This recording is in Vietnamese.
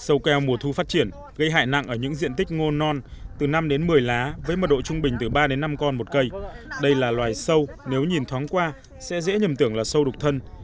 sâu keo mùa thu phát triển gây hại nặng ở những diện tích ngô non từ năm đến một mươi lá với mật độ trung bình từ ba đến năm con một cây đây là loài sâu nếu nhìn thoáng qua sẽ dễ nhầm tưởng là sâu đục thân